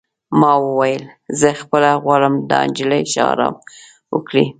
ما وویل: زه خپله غواړم دا نجلۍ ښه ارام وکړي.